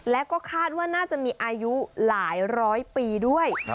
และก็คาดว่าน่าจะมีอายุหลายร้อยปีด้วย